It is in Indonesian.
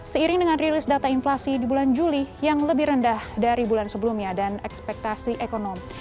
seiring dengan rilis data inflasi di bulan juli yang lebih rendah dari bulan sebelumnya dan ekspektasi ekonomi